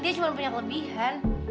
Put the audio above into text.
dia cuma punya kelebihan